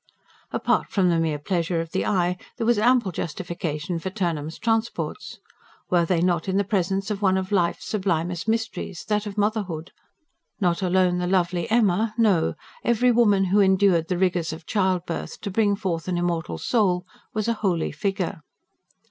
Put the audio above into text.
Apart from the mere pleasure of the eye, there was ample justification for Turnham's transports. Were they not in the presence of one of life's sublimest mysteries that of motherhood? Not alone the lovely Emma: no; every woman who endured the rigours of childbirth, to bring forth an immortal soul, was a holy figure.